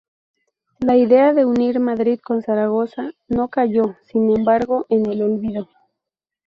La idea de unir Madrid con Zaragoza no cayó, sin embargo, en el olvido.